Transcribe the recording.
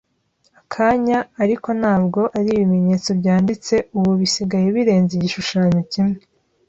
akanya, ariko ntabwo ari ibimenyetso byanditse ubu bisigaye birenze igishushanyo kimwe,